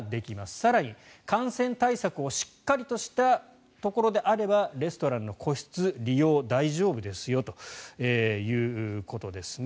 更に、感染対策をしっかりとしたところであればレストランの個室の利用大丈夫ですよということですね。